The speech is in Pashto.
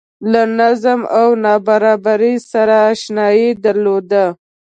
له نظم او نابرابرۍ سره اشنايي درلوده